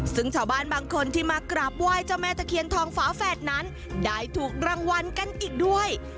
ซึ่งชาวบ้านบางคนที่มากราบไหว้เจ้าแม่ตะเคียนทองฝาแฝดนั้นได้ถูกรางวัลกันอีกด้วย